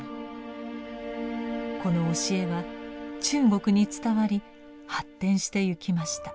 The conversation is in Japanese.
この教えは中国に伝わり発展してゆきました。